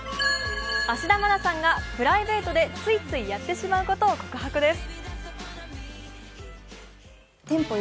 芦田愛菜さんがプライベートでついついやってしまうことを告白です。